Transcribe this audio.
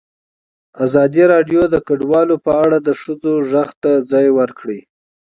ازادي راډیو د کډوال په اړه د ښځو غږ ته ځای ورکړی.